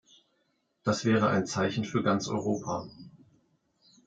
Das wäre ein Zeichen für ganz Europa!